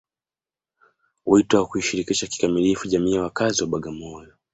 Wito wa kuishirikisha kikamilifu jamii ya wakazi wa Bagamoyo